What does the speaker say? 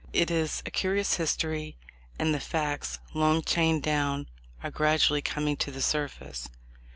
It is a curious history, and the facts, long chained down, are gradually com ing to the surface.